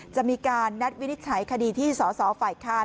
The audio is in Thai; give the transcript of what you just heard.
จะมีการนัดวินิจฉัยคดีที่สสฝ่ายค้าน